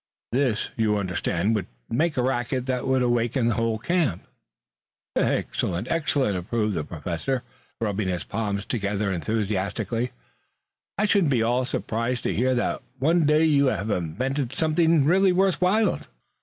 "This, you understand, would make a racket that would awaken the camp." "Excellent! Excellent!" approved the Professor, rubbing his palms together enthusiastically. "I shouldn't be at all surprised to hear that one day you had invented something really worth while."